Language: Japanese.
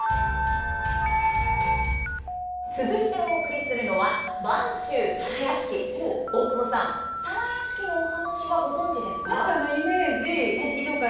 続いてお送りするのは大久保さん「皿屋敷」のお話はご存じですか？